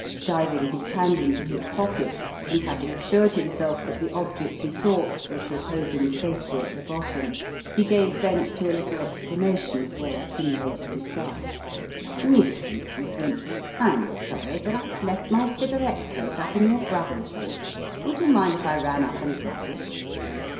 Diving his hand into his pocket, and having as sured himself that the object he sought was reposing safely at the bottom, he gave vent to a little exclama tion of well simulated disgust. "Nuisance, Miss Wynne. I am sorry, but I've left my cigarette case up in your brother's room. Would you mind if I ran up and got it?